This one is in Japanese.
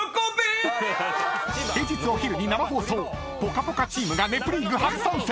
［平日お昼に生放送ぽかぽかチームが『ネプリーグ』初参戦！